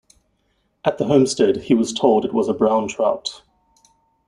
At the homestead, he was told it was a brown trout.